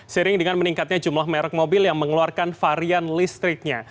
sering dengan meningkatnya jumlah merek mobil yang mengeluarkan varian listriknya